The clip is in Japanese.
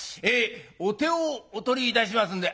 お手をお取りいたしますんで」。